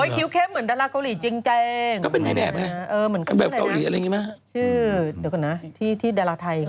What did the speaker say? ชื่อเดี๋ยวก่อนนะที่ดาลาคไทย